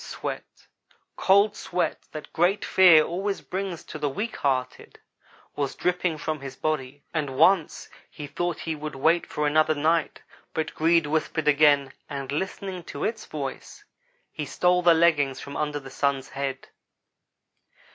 Sweat cold sweat, that great fear always brings to the weak hearted was dripping from his body, and once he thought that he would wait for another night, but greed whispered again, and listening to its voice, he stole the leggings from under the Sun's head.